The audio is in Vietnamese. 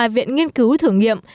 ba viện nghiên cứu thử nghiệm